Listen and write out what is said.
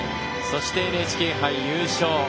そして、ＮＨＫ杯優勝。